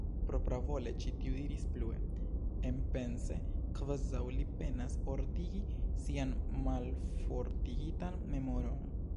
Propravole ĉi tiu diris plue, enpense, kvazaŭ li penas ordigi sian malfortigitan memoron: